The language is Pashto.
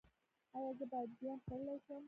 ایا زه بادیان خوړلی شم؟